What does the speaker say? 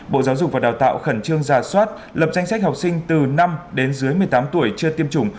bộ giáo dục và đào tạo khẩn trương ra soát lập danh sách học sinh từ năm đến dưới một mươi tám tuổi chưa tiêm chủng